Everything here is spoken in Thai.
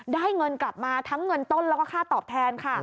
ได้เงินกลับมาทั้งเงินต้นแล้วก็ค่าตอบแทนค่ะ